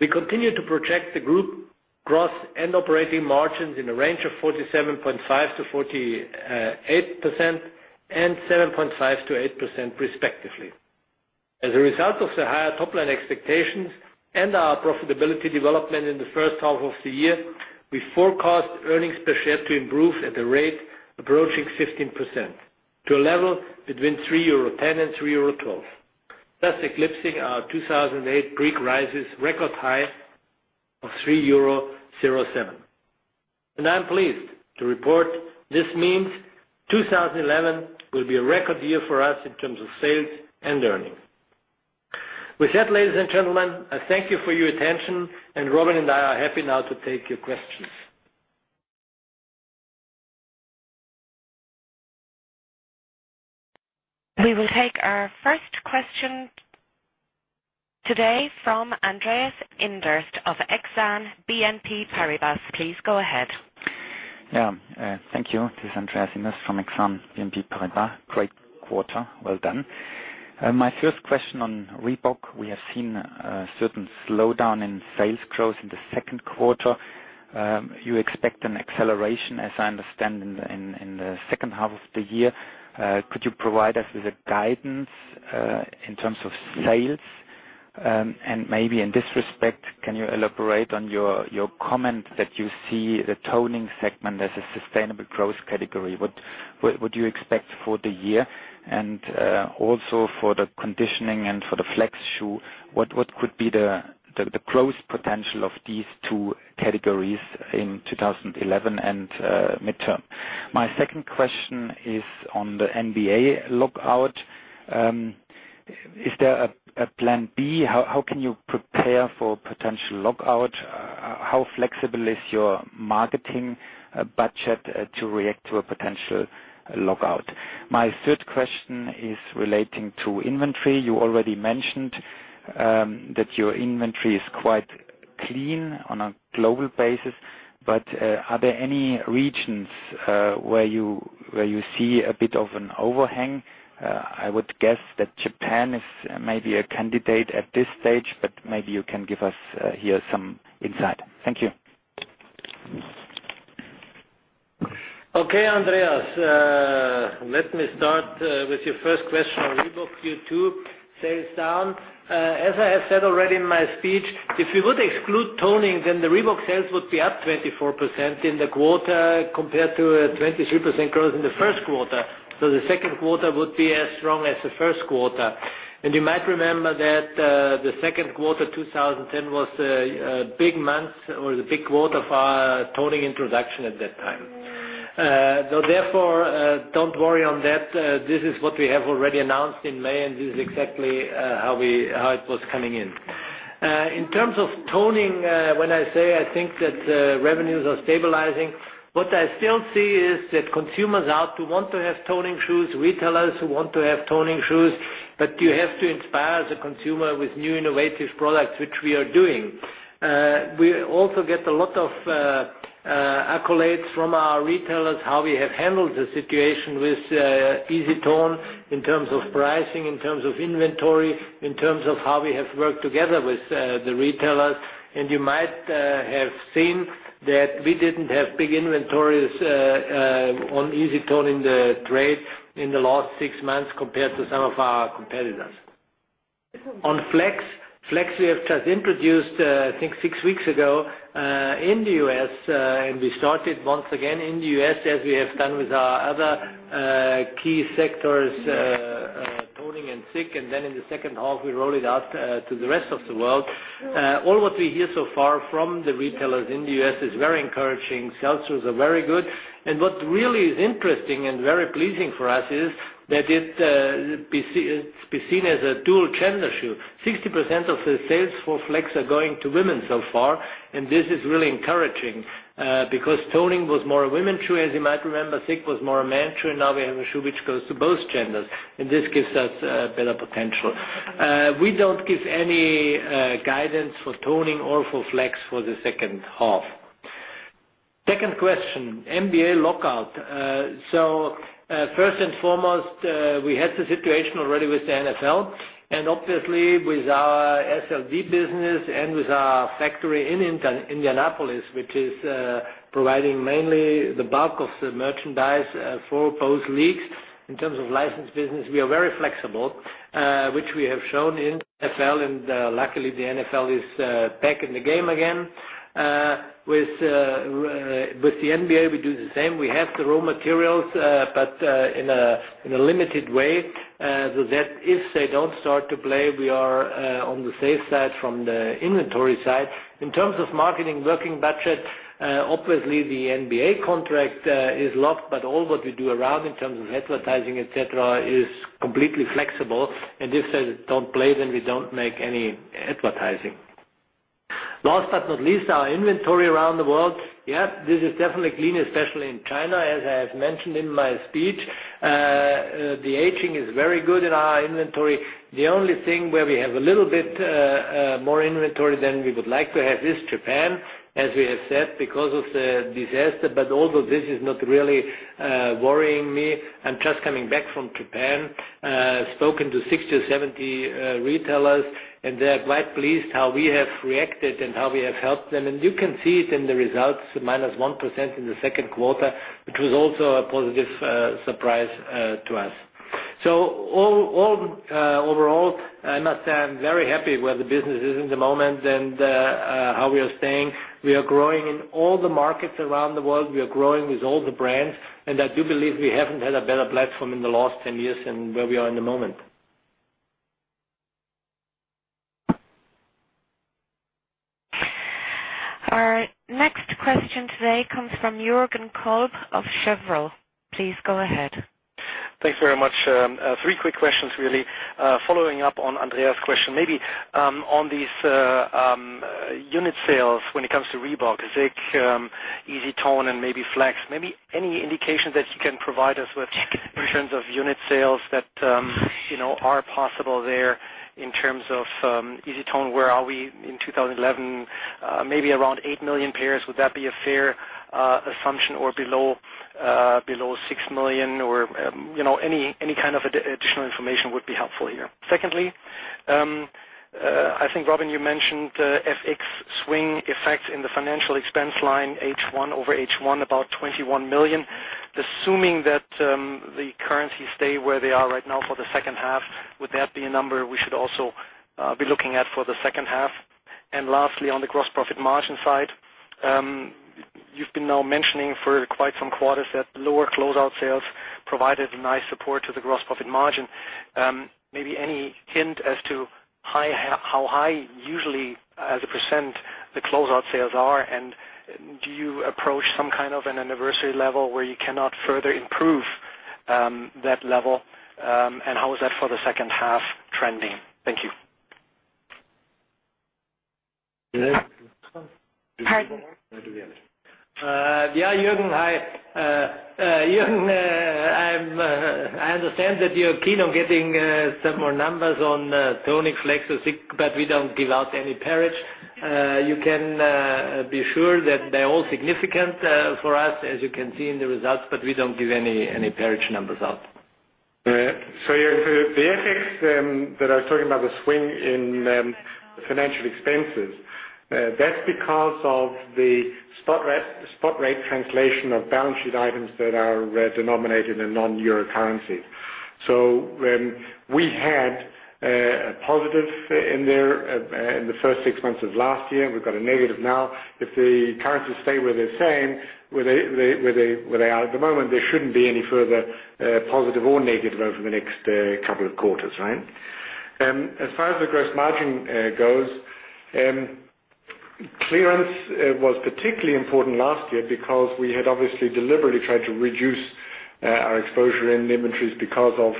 [SPEAKER 2] We continue to project the group gross and operating margins in a range of 47.5%-48% and 7.5%-8%, respectively. As a result of the higher top-line expectations and our profitability development in the first half of the year, we forecast earnings per share to improve at a rate approaching 15%, to a level between 3.10 euro and 3.12 euro, thus eclipsing our 2008 peak record high of 3.07 euro. I'm pleased to report this means 2011 will be a record year for us in terms of sales and earnings. With that, ladies and gentlemen, I thank you for your attention, and Robin and I are happy now to take your questions.
[SPEAKER 4] We will take our first question today from Andreas Inderst of Exane BNP Paribas. Please go ahead.
[SPEAKER 5] Yeah, thank you. This is Andreas Inderst from BNP Paribas. Great quarter, well done. My first question on Reebok. We have seen a certain slowdown in sales growth in the second quarter. You expect an acceleration, as I understand, in the second half of the year. Could you provide us with a guidance in terms of sales? In this respect, can you elaborate on your comment that you see the toning segment as a sustainable growth category? What do you expect for the year and also for the conditioning and for the flex shoe? What could be the growth potential of these two categories in 2011 and midterm? My second question is on the NBA lockout. Is there a plan B? How can you prepare for a potential lockout? How flexible is your marketing budget to react to a potential lockout? My third question is relating to inventory. You already mentioned that your inventory is quite clean on a global basis, but are there any regions where you see a bit of an overhang? I would guess that Japan is maybe a candidate at this stage, but maybe you can give us here some insight. Thank you.
[SPEAKER 2] Okay, Andreas, let me start with your first question on Reebok Q2 sales down. As I have said already in my speech, if we would exclude toning, then the Reebok sales would be up 24% in the quarter compared to a 23% growth in the First Quarter. The second quarter would be as strong as the First Quarter. You might remember that the second quarter 2010 was a big month or the big quarter of our toning introduction at that time. Therefore, don't worry on that. This is what we have already announced in May, and this is exactly how it was coming in. In terms of toning, when I say I think that revenues are stabilizing, what I still see is that consumers out who want to have toning shoes, retailers who want to have toning shoes, but you have to inspire the consumer with new innovative products, which we are doing. We also get a lot of accolades from our retailers how we have handled the situation with Easy Tone in terms of pricing, in terms of inventory, in terms of how we have worked together with the retailers. You might have seen that we didn't have big inventories on Easy Tone in the trade in the last six months compared to some of our competitors. On flex, flex we have just introduced, I think, six weeks ago in the U.S., and we started once again in the U.S., as we have done with our other key sectors, toning and SICK. In the second half, we rolled it out to the rest of the world. All what we hear so far from the retailers in the U.S. is very encouraging. Sales throughs are very good. What really is interesting and very pleasing for us is that it's been seen as a dual-gender shoe. 60% of the sales for flex are going to women so far, and this is really encouraging because toning was more a women's shoe, as you might remember. SICKTECH was more a man's shoe, and now we have a shoe which goes to both genders, and this gives us better potential. We don't give any guidance for toning or for flex for the second half. Second question, NBA lockout. First and foremost, we had the situation already with the NFL, and obviously with our SLD business and with our factory in Indianapolis, which is providing mainly the bulk of the merchandise for both leagues. In terms of license business, we are very flexible, which we have shown in NFL, and luckily the NFL is back in the game again. With the NBA, we do the same. We have the raw materials, but in a limited way, so that if they don't start to play, we are on the safe side from the inventory side. In terms of marketing working budget, obviously the NBA contract is locked, but all what we do around in terms of advertising, etc., is completely flexible. If they don't play, then we don't make any advertising. Last but not least, our inventory around the world, yeah, this is definitely clean, especially in China, as I have mentioned in my speech. The aging is very good in our inventory. The only thing where we have a little bit more inventory than we would like to have is Japan, as we have said, because of the disaster. Although this is not really worrying me, I'm just coming back from Japan, spoken to 60 or 70 retailers, and they're quite pleased how we have reacted and how we have helped them. You can see it in the results, -1% in the second quarter, which was also a positive surprise to us. Overall, I must say I'm very happy where the business is in the moment and how we are staying. We are growing in all the markets around the world. We are growing with all the brands, and I do believe we haven't had a better platform in the last 10 years than where we are in the moment.
[SPEAKER 4] Our next question today comes from Jürgen Kolb of Cheuvreux. Please go ahead.
[SPEAKER 6] Thanks very much. Three quick questions, really. Following up on Andreas' question, maybe on these unit sales when it comes to Reebok, SICK, EasyTone, and maybe RealFlex, maybe any indications that you can provide us with in terms of unit sales that are possible there in terms of EasyTone? Where are we in 2011? Maybe around 8 million pairs, would that be a fair assumption or below 6 million? Or any kind of additional information would be helpful here. Secondly, I think, Robin, you mentioned FX swing effects in the financial expense line, H1 over H1, about $21 million. Assuming that the currency stay where they are right now for the second half, would that be a number we should also be looking at for the second half? Lastly, on the gross profit margin side, you've been now mentioning for quite some quarters that lower closeout sales provided a nice support to the gross profit margin. Maybe any hint as to how high usually, as a %, the closeout sales are? Do you approach some kind of an anniversary level where you cannot further improve that level? How is that for the second half trending? Thank you.
[SPEAKER 2] Yeah, Jürgen, I understand that you're keen on getting some more numbers on toning, flex, or SICK, but we don't give out any per se. You can be sure that they're all significant for us, as you can see in the results, but we don't give any per se numbers out.
[SPEAKER 3] All right. The FX that I was talking about, the swing in financial expenses, that's because of the spot rate translation of balance sheet items that are denominated in non-Euro currencies. We had a positive in there in the first six months of last year, and we've got a negative now. If the currencies stay where they're saying where they are at the moment, there shouldn't be any further positive or negative over the next couple of quarters, right? As far as the gross margin goes, clearance was particularly important last year because we had obviously deliberately tried to reduce our exposure in the inventories because of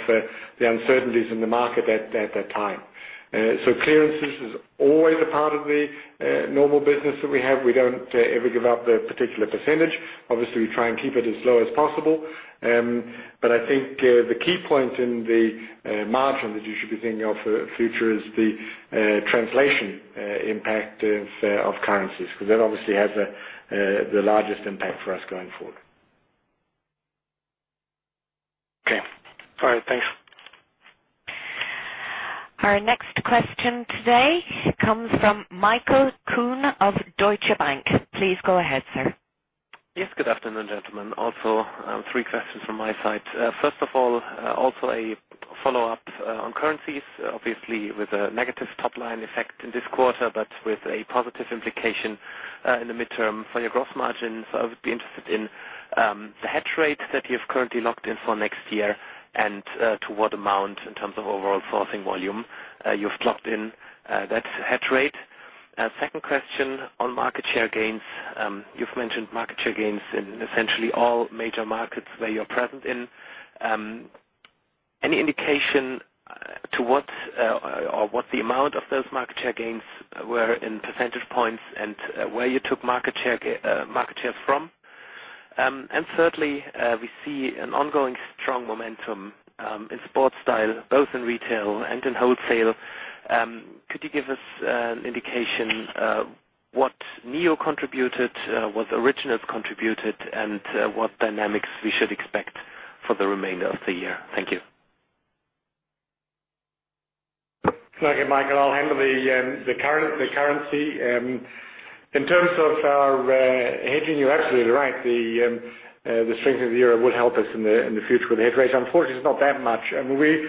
[SPEAKER 3] the uncertainties in the market at that time. Clearance is always a part of the normal business that we have. We don't ever give up a particular %. Obviously, we try and keep it as low as possible. I think the key points in the margin that you should be thinking of for the future is the translation impact of currencies because that obviously has the largest impact for us going forward.
[SPEAKER 6] Okay, sorry. Thanks.
[SPEAKER 4] Our next question today comes from Michael Kuhn of Deutsche Bank. Please go ahead, sir.
[SPEAKER 7] Yes, good afternoon, gentlemen. Also, three questions from my side. First of all, also a follow-up on currencies, obviously with a negative top-line effect in this quarter, but with a positive implication in the midterm for your gross margin. I would be interested in the hedge rate that you've currently locked in for next year and to what amount in terms of overall sourcing volume you've locked in that hedge rate. Second question on market share gains. You've mentioned market share gains in essentially all major markets where you're present in. Any indication to what or what the amount of those market share gains were in percentage points and where you took market shares from? Thirdly, we see an ongoing strong momentum in sports style, both in retail and in wholesale. Could you give us an indication what NEO contributed, what Originals contributed, and what dynamics we should expect for the remainder of the year? Thank you.
[SPEAKER 3] Okay, Michael, I'll handle the currency. In terms of our hedging, you're absolutely right. The strength of the euro would help us in the future with the hedge rates. Unfortunately, it's not that much. I mean, we're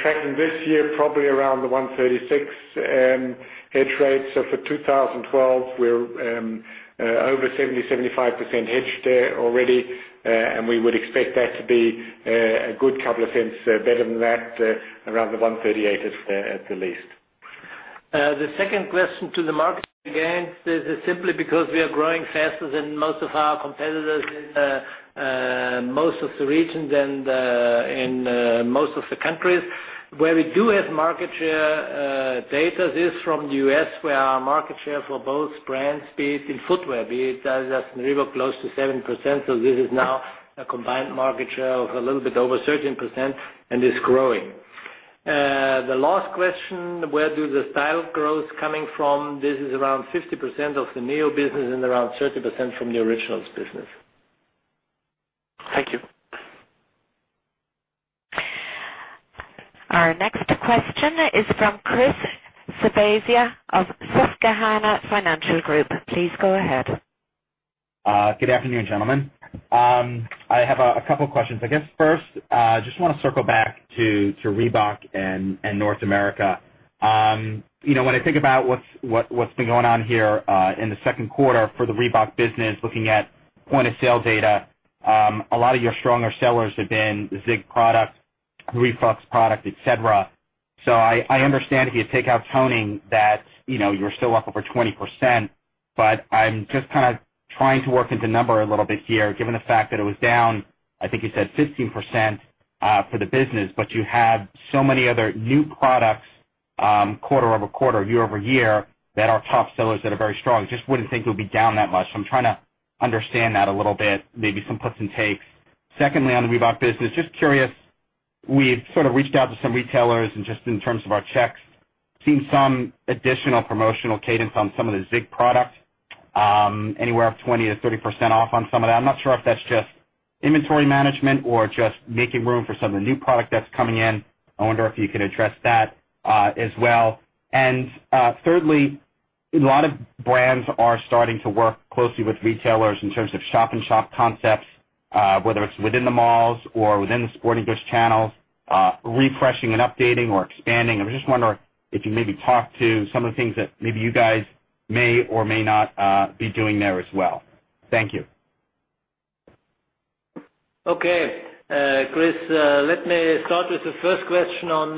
[SPEAKER 3] tracking this year probably around the 1.36 hedge rate. For 2012, we're over 70%-75% hedged already, and we would expect that to be a good couple of cents better than that, around the 1.38 at the least.
[SPEAKER 2] The second question to the market, again, this is simply because we are growing faster than most of our competitors, most of the regions, and in most of the countries where we do have market share data. This is from the U.S., where our market share for both brands, be it in footwear, be it adidas and Reebok, close to 7%. This is now a combined market share of a little bit over 13% and is growing. The last question, where do the style growths coming from? This is around 50% of the NEO business and around 30% from the Originals business.
[SPEAKER 7] Thank you.
[SPEAKER 4] Our next question is from Chris Svezia of Susquehanna Financial Group. Please go ahead.
[SPEAKER 8] Good afternoon, gentlemen. I have a couple of questions. I guess first, I just want to circle back to Reebok and North America. You know, when I think about what's been going on here in the second quarter for the Reebok business, looking at point-of-sale data, a lot of your stronger sellers have been the Zig product, the RealFlex product, etc. I understand if you take out toning that you're still up over 20%, but I'm just kind of trying to work into the number a little bit here, given the fact that it was down, I think you said 15% for the business, but you have so many other new products quarter-over-quarter, year-over-year that are top sellers that are very strong. I just wouldn't think it would be down that much. I'm trying to understand that a little bit, maybe some puts and takes. Secondly, on the Reebok business, just curious, we've sort of reached out to some retailers and just in terms of our checks, seen some additional promotional cadence on some of the Zig products, anywhere of 20%-30% off on some of that. I'm not sure if that's just inventory management or just making room for some of the new product that's coming in. I wonder if you could address that as well. Thirdly, a lot of brands are starting to work closely with retailers in terms of shop-in-shop concepts, whether it's within the malls or within the sporting goods channels, refreshing and updating or expanding. I was just wondering if you maybe talk to some of the things that maybe you guys may or may not be doing there as well. Thank you.
[SPEAKER 2] Okay, Chris, let me start with the first question on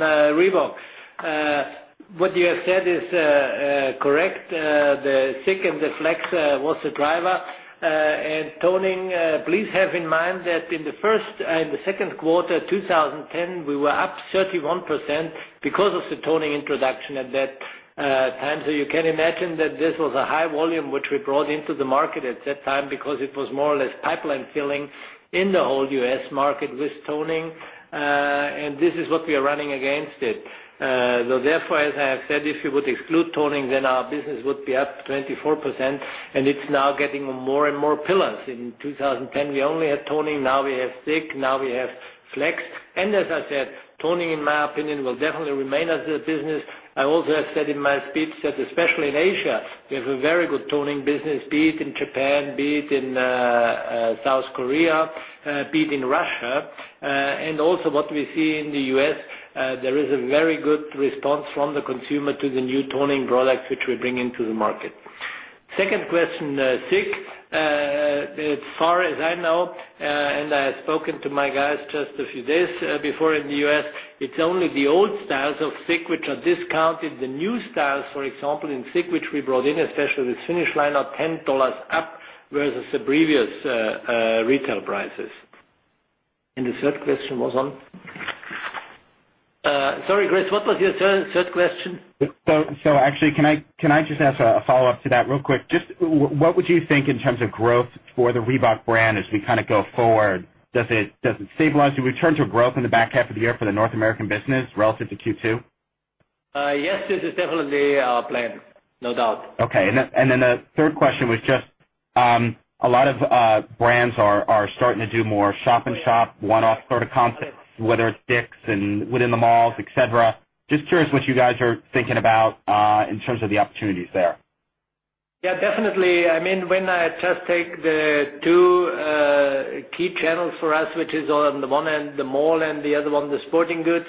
[SPEAKER 2] Reebok. What you have said is correct. The SICK and the Flex was the driver. Toning, please have in mind that in the second quarter 2010, we were up 31% because of the toning introduction at that time. You can imagine that this was a high volume which we brought into the market at that time because it was more or less pipeline filling in the whole U.S. market with toning. This is what we are running against. Therefore, as I have said, if you would exclude toning, then our business would be up 24%. It's now getting more and more pillars. In 2010, we only had toning. Now we have SICK. Now we have Flex. As I said, toning, in my opinion, will definitely remain as a business. I also have said in my speech that especially in Asia, we have a very good toning business, be it in Japan, be it in South Korea, be it in Russia. Also, what we see in the U.S., there is a very good response from the consumer to the new toning products which we bring into the market. Second question, SICK. As far as I know, and I have spoken to my guys just a few days before in the U.S., it's only the old styles of SICK which are discounted. The new styles, for example, in SICK which we brought in, especially this finish line, are $10 up versus the previous retail prices. The third question was on... Sorry, Chris, what was your third question?
[SPEAKER 8] Can I just ask a follow-up to that real quick? What would you think in terms of growth for the Reebok brand as we kind of go forward? Does it stabilize the return to growth in the back half of the year for the North American business relative to Q2?
[SPEAKER 2] Yes, this is definitely our plan. No doubt.
[SPEAKER 8] Okay. The third question was just a lot of brands are starting to do more shop-in-shop, one-off sort of concepts, whether it's Dicks and within the malls, etc. Just curious what you guys are thinking about in terms of the opportunities there.
[SPEAKER 2] Yeah, definitely. I mean, when I just take the two key channels for us, which is on the one end the mall and the other one the sporting goods,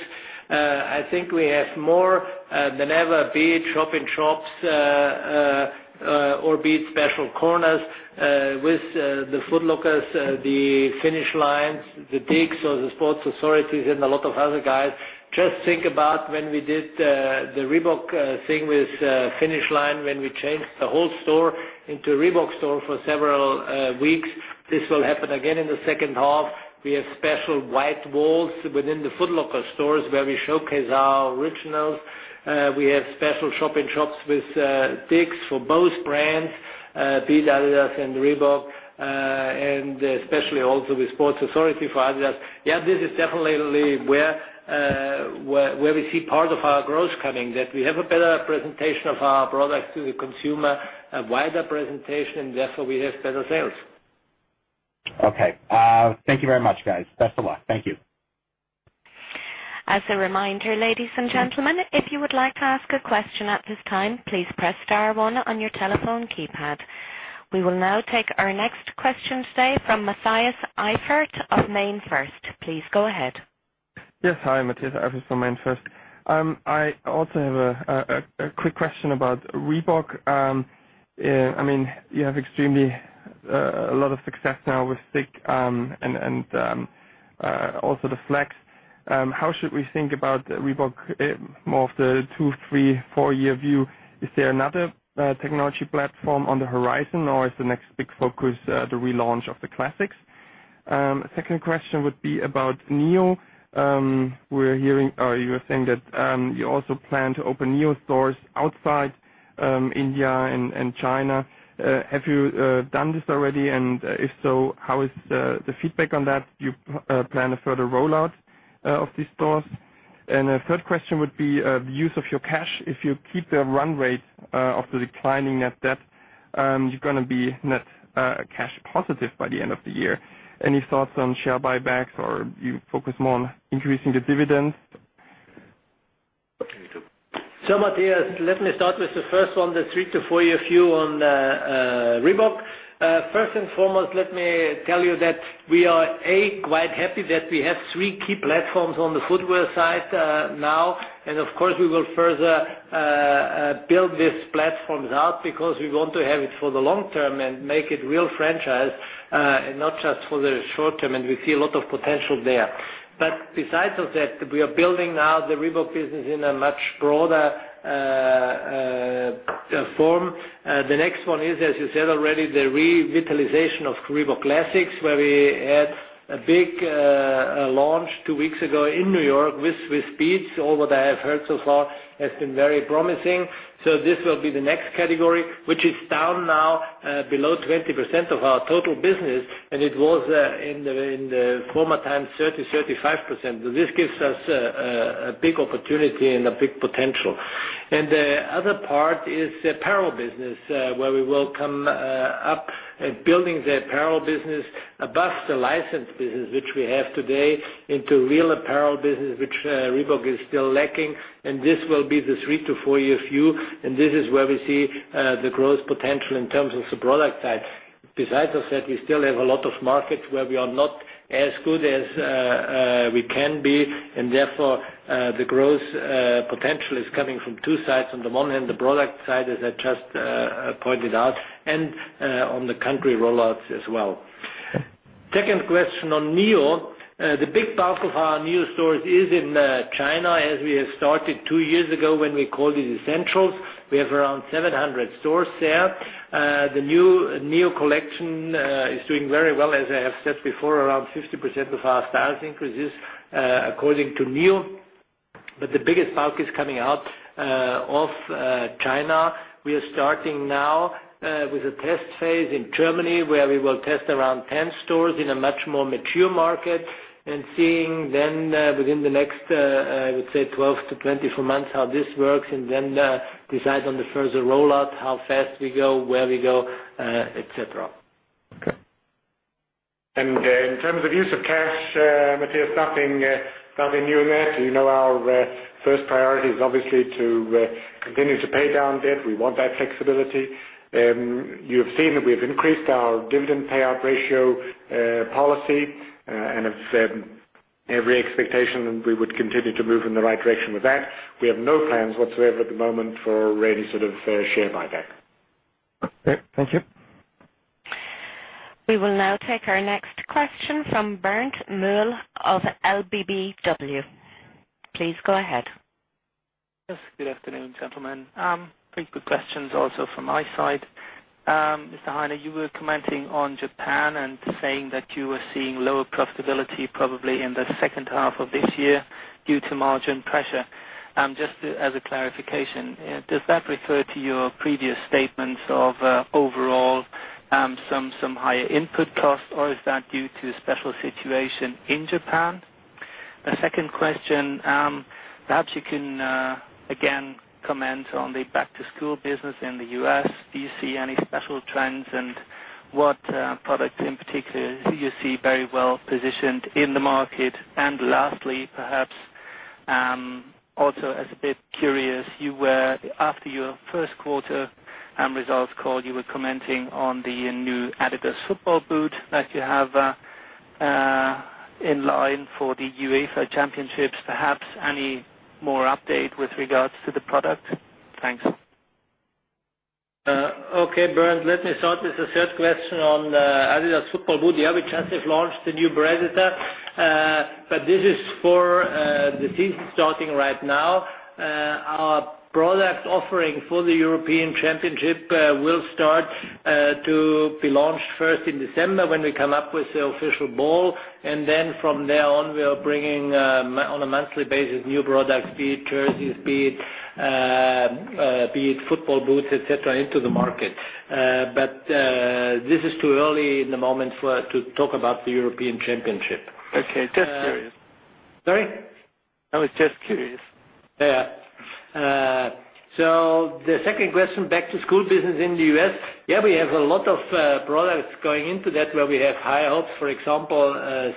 [SPEAKER 2] I think we have more than ever, be it shop-in-shops or be it special corners with the Foot Lockers, the Finish Lines, the DICK'S or the Sports Authorities, and a lot of other guys. Just think about when we did the Reebok thing with Finish Line, when we changed the whole store into a Reebok store for several weeks. This will happen again in the second half. We have special white walls within the Foot Locker stores where we showcase our Originals. We have special shop-in-shops with DICK'S for both brands, be it adidas and Reebok, and especially also with Sports Authority for adidas. This is definitely where we see part of our growth coming, that we have a better presentation of our product to the consumer, a wider presentation, and therefore we have better sales.
[SPEAKER 8] Okay. Thank you very much, guys. Best of luck. Thank you.
[SPEAKER 4] As a reminder, ladies and gentlemen, if you would like to ask a question at this time, please press star one on your telephone keypad. We will now take our next question today from Matthias Eifert of MainFirst. Please go ahead.
[SPEAKER 9] Yes, hi, Matthias Eifert from MainFirst. I also have a quick question about Reebok. I mean, you have extremely a lot of success now with SICK and also the Flex. How should we think about Reebok more of the two, three, four-year view? Is there another technology platform on the horizon, or is the next big focus the relaunch of the classics? Second question would be about NEO. We're hearing, or you're saying that you also plan to open NEO stores outside India and China. Have you done this already? If so, how is the feedback on that? Do you plan a further rollout of these stores? The third question would be the use of your cash. If you keep the run rate of the declining net debt, you're going to be net cash positive by the end of the year. Any thoughts on share buybacks, or do you focus more on increasing the dividends?
[SPEAKER 2] Matthias, let me start with the first one, the three to four-year view on Reebok. First and foremost, let me tell you that we are quite happy that we have three key platforms on the footwear side now. Of course, we will further build these platforms out because we want to have it for the long term and make it a real franchise, not just for the short term. We see a lot of potential there. Besides all that, we are building now the Reebok business in a much broader form. The next one is, as you said already, the revitalization of Reebok Classics, where we had a big launch two weeks ago in New York with Swiss Peetz. All what I have heard so far has been very promising. This will be the next category, which is down now below 20% of our total business, and it was in the former times 30%-35%. This gives us a big opportunity and a big potential. The other part is the apparel business, where we will come up at building the apparel business above the licensed business, which we have today, into a real apparel business, which Reebok is still lacking. This will be the three to four-year view, and this is where we see the growth potential in terms of the product side. Besides all that, we still have a lot of markets where we are not as good as we can be, and therefore the growth potential is coming from two sides. On the one hand, the product side, as I just pointed out, and on the country rollouts as well. The second question on NEO. The big bulk of our NEO stores is in China, as we started two years ago when we called it Essentials. We have around 700 stores there. The new NEO collection is doing very well, as I have said before, around 50% of our styles increases according to NEO. The biggest bulk is coming out of China. We are starting now with a test phase in Germany, where we will test around 10 stores in a much more mature market and see then within the next, I would say, 12 months to 24 months how this works and then decide on the further rollout, how fast we go, where we go, etc.
[SPEAKER 3] In terms of use of cash, Matthias, nothing new in there. You know our first priority is obviously to continue to pay down debt. We want that flexibility. You have seen that we have increased our dividend payout ratio policy and have every expectation we would continue to move in the right direction with that. We have no plans whatsoever at the moment for any sort of share buyback.
[SPEAKER 9] Okay, thank you.
[SPEAKER 4] We will now take our next question from Bernd Muell of LBBW. Please go ahead.
[SPEAKER 10] Yes, good afternoon, gentlemen. Pretty good questions also from my side. Mr. Hainer, you were commenting on Japan and saying that you were seeing lower profitability probably in the second half of this year due to margin pressure. Just as a clarification, does that refer to your previous statements of overall some higher input cost, or is that due to a special situation in Japan? Second question, perhaps you can again comment on the back-to-school business in the U.S. Do you see any special trends and what products in particular you see very well positioned in the market? Lastly, perhaps also as a bit curious, you were after your First Quarter results call, you were commenting on the new adidas football boot that you have in line for the UEFA Championships. Perhaps any more update with regards to the product? Thanks.
[SPEAKER 2] Okay, Bernd, let me start with the third question on the adidas football boot. Yeah, we just have launched the new Predator, but this is for the season starting right now. Our product offering for the European Championship will start to be launched first in December, when we come up with the official ball. From there on, we are bringing on a monthly basis new products, be it jerseys, be it football boots, etc., into the market. This is too early in the moment to talk about the European Championship.
[SPEAKER 10] Okay, just curious.
[SPEAKER 2] Sorry?
[SPEAKER 10] I was just curious.
[SPEAKER 2] Yeah, yeah. The second question, back-to-school business in the U.S. We have a lot of products going into that where we have high hopes. For example,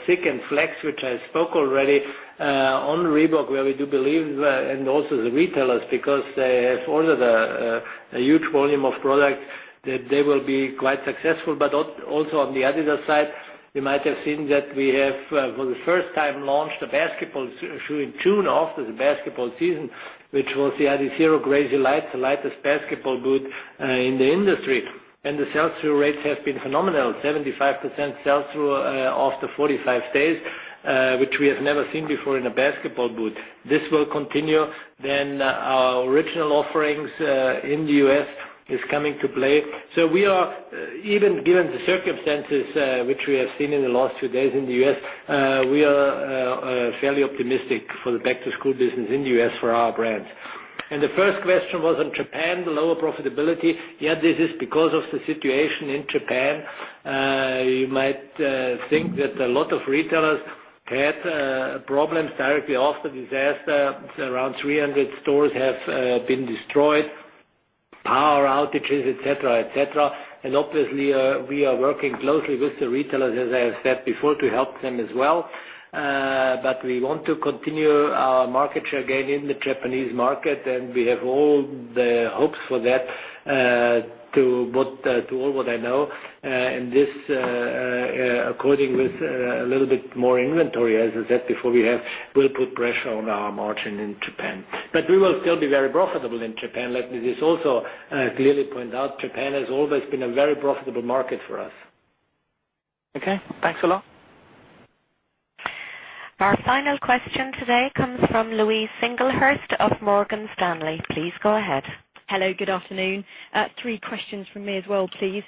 [SPEAKER 2] SICK and Flex, which I spoke already on Reebok, where we do believe, and also the retailers, because they have ordered a huge volume of product, that they will be quite successful. Also, on the adidas side, you might have seen that we have for the first time launched a basketball shoe in June after the basketball season, which was the Adizero Crazy Light, the lightest basketball boot in the industry. The sales through rates have been phenomenal, 75% sales through after 45 days, which we have never seen before in a basketball boot. This will continue. Our Originals offerings in the U.S. are coming to play. We are, even given the circumstances which we have seen in the last few days in the U.S., fairly optimistic for the back-to-school business in the U.S. for our brands. The first question was on Japan, the lower profitability. This is because of the situation in Japan. You might think that a lot of retailers had problems directly after the disaster. Around 300 stores have been destroyed, power outages, etc., etc. Obviously, we are working closely with the retailers, as I have said before, to help them as well. We want to continue our market share gain in the Japanese market, and we have all the hopes for that, to all what I know. This, along with a little bit more inventory, as I said before, has put pressure on our margin in Japan. We will still be very profitable in Japan. Let me just also clearly point out, Japan has always been a very profitable market for us.
[SPEAKER 10] Okay, thanks a lot.
[SPEAKER 4] Our final question today comes from Louise Singlehurst of Morgan Stanley. Please go ahead.
[SPEAKER 11] Hello, good afternoon. Three questions from me as well, please.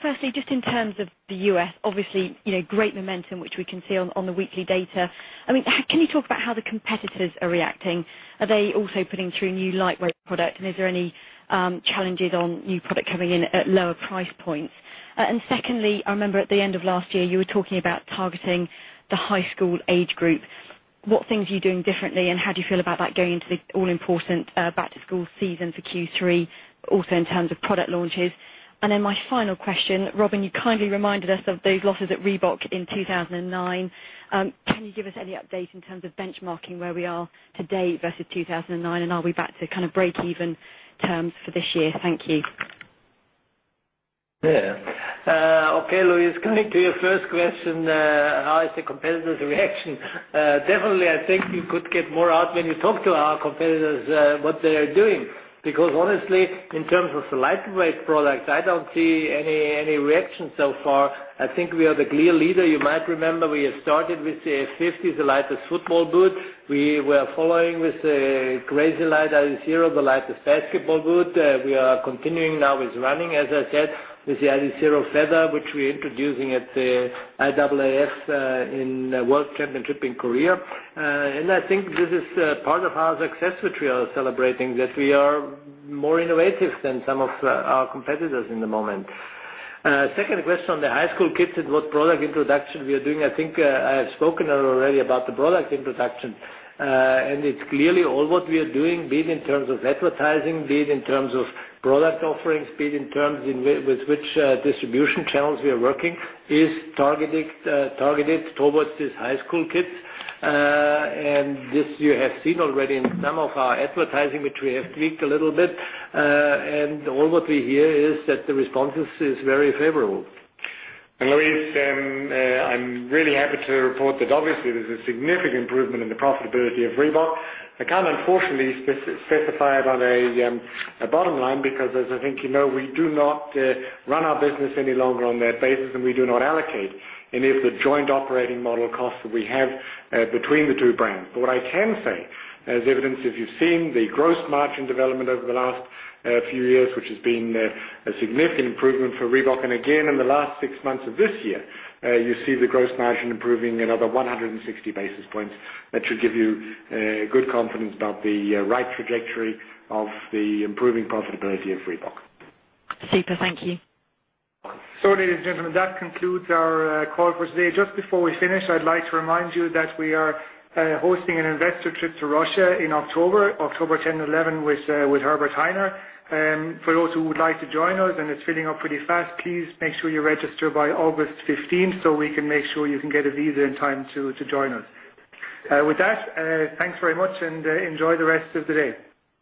[SPEAKER 11] Firstly, just in terms of the U.S., obviously, you know, great momentum, which we can see on the weekly data. I mean, can you talk about how the competitors are reacting? Are they also putting through new lightweight product? Is there any challenges on new product coming in at lower price points? Secondly, I remember at the end of last year, you were talking about targeting the high school age group. What things are you doing differently? How do you feel about that going into the all-important back-to-school season for Q3, also in terms of product launches? My final question, Robin, you kindly reminded us of those losses at Reebok in 2009. Can you give us any update in terms of benchmarking where we are today versus 2009, and are we back to kind of break-even terms for this year? Thank you.
[SPEAKER 2] Yeah. Okay, Louise, coming to your first question, how is the competitors' reaction? Definitely, I think you could get more out when you talk to our competitors, what they are doing, because honestly, in terms of the lightweight products, I don't see any reaction so far. I think we are the clear leader. You might remember, we have started with the 50s adidas football boot. We were following with the Adizero Crazy Light, the lightest basketball boot. We are continuing now with running, as I said, with the Adizero Feather, which we are introducing at the IAAF World Championship in Korea. I think this is part of our success, which we are celebrating, that we are more innovative than some of our competitors in the moment. Second question on the high school kids and what product introduction we are doing. I think I have spoken already about the product introduction. It's clearly all what we are doing, be it in terms of advertising, be it in terms of product offerings, be it in terms with which distribution channels we are working, is targeted towards these high school kids. This, you have seen already in some of our advertising, which we have tweaked a little bit. All what we hear is that the response is very favorable.
[SPEAKER 3] Louise, I'm really happy to report that obviously there's a significant improvement in the profitability of Reebok. I can't unfortunately specify it on a bottom line because, as I think you know, we do not run our business any longer on that basis, and we do not allocate any of the joint operating model costs that we have between the two brands. What I can say as evidence is you've seen the gross margin development over the last few years, which has been a significant improvement for Reebok. Again, in the last six months of this year, you see the gross margin improving another 160 basis points. That should give you good confidence about the right trajectory of the improving profitability of Reebok.
[SPEAKER 11] Super, thank you.
[SPEAKER 1] Ladies and gentlemen, that concludes our call for today. Just before we finish, I'd like to remind you that we are hosting an investor trip to Russia in October, October 10 and 11, with Herbert Hainer. For those who would like to join us, and it's filling up pretty fast, please make sure you register by August 15 so we can make sure you can get a visa in time to join us. With that, thanks very much, and enjoy the rest of the day.